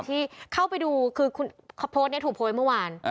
ที่เข้าไปดูคือโพสต์นี้ถูกโพสต์เมื่อวาน